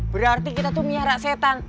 berarti kita tuh miyara setan